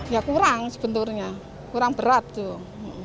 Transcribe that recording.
ya kurang sebetulnya kurang berat tuh